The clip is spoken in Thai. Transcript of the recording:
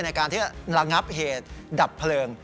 ในการที่จะระงับเหตุดับเพลิง